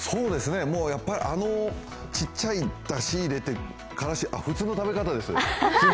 やっぱりちっちゃいだしを入れて、からし、あっ、普通の食べ方です